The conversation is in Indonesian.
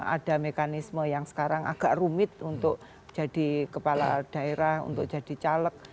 ada mekanisme yang sekarang agak rumit untuk jadi kepala daerah untuk jadi caleg